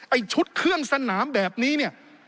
ไอ้ชุดเครื่องสนามแบบนี้เนี่ย